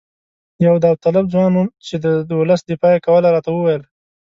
یو داوطلب ځوان چې د ولس دفاع یې کوله راته وویل.